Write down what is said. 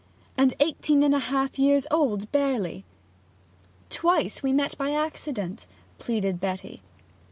And eighteen and a half years old barely!' 'Twice we met by accident,' pleaded Betty.